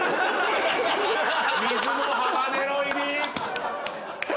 水もハバネロ入り！